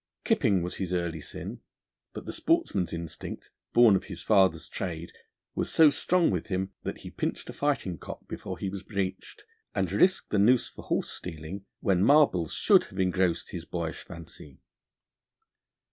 Kipping was his early sin; but the sportsman's instinct, born of his father's trade, was so strong within him, that he pinched a fighting cock before he was breeched, and risked the noose for horse stealing when marbles should have engrossed his boyish fancy.